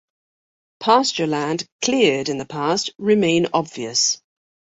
Pasture land cleared in the past remain obvious.